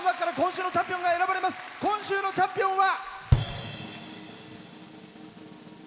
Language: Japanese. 今週のチャンピオンは。